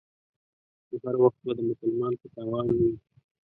نو هر وخت به د مسلمان په تاوان وي.